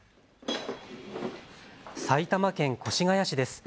埼玉県越谷市です。